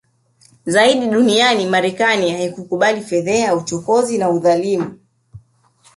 zaidi duniani Marekani haikukubali fedheha uchokozi na udhalimu